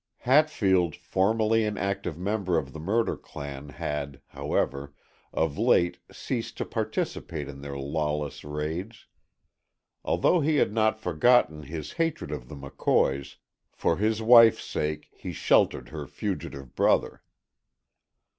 Hatfield, formerly an active member of the murder clan, had, however, of late ceased to participate in their lawless raids. Although he had not forgotten his hatred of the McCoys, for his wife's sake he sheltered her fugitive brother.